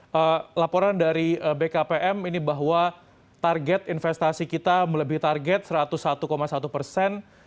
pak laporan dari bkpm ini bahwa target investasi kita melebihi target satu ratus satu satu persen